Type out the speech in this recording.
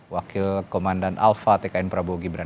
wakil komandan alfa tkn prabowo